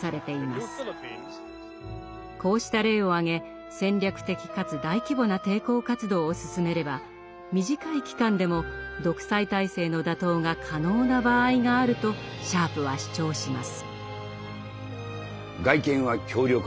こうした例を挙げ戦略的かつ大規模な抵抗活動を進めれば短い期間でも独裁体制の打倒が可能な場合があるとシャープは主張します。